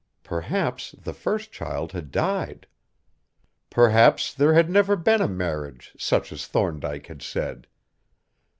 Perhaps the first child had died. Perhaps there had never been a marriage such as Thorndyke had said.